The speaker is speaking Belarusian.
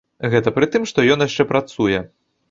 Гэта пры тым, што ён яшчэ працуе.